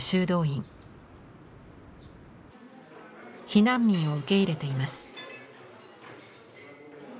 避難民を受け入れています。